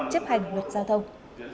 chấp hành luật giao thông